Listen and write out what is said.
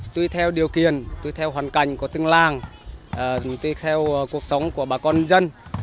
tuy theo điều kiện tuy theo hoàn cảnh của từng làng tuy theo cuộc sống của bà con dân